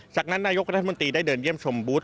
จากนั้นนายกรัฐมนตรีได้เดินเยี่ยมชมบูธ